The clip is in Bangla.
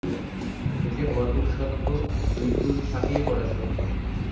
এ যে ভরপুর সত্য, দুই কূল ছাপিয়ে-পড়া সত্য।